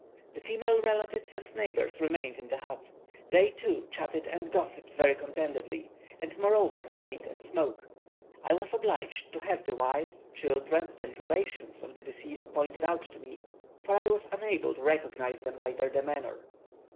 The female relatives and neighbours remained in the hut; they, too, chatted and gossiped very contentedly, and moreover ate and smoked. I was obliged to have the wife, children, and relations of the deceased pointed out to me, for I was unable to recognise them by their demeanour.